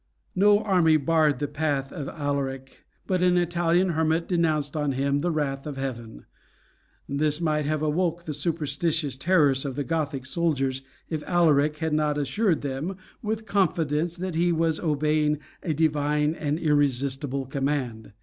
No army barred the path of Alaric, but an Italian hermit denounced on him the wrath of heaven. This might have awoke the superstitious terrors of the Gothic soldiers if Alaric had not assured them, with confidence, that he was obeying a divine and irresistible command.